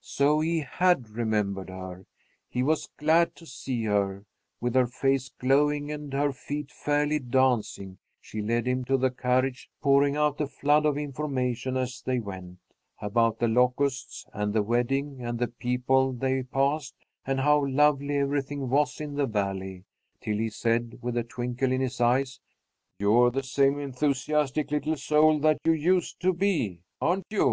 So he had remembered her. He was glad to see her. With her face glowing and her feet fairly dancing, she led him to the carriage, pouring out a flood of information as they went, about The Locusts and the wedding and the people they passed, and how lovely everything was in the Valley, till he said, with a twinkle in his eyes: "You're the same enthusiastic little soul that you used to be, aren't you?